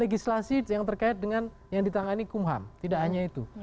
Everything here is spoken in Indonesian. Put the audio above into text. legislasi yang terkait dengan yang ditangani kumham tidak hanya itu